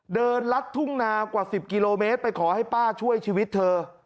ลัดทุ่งนากว่า๑๐กิโลเมตรไปขอให้ป้าช่วยชีวิตเธอ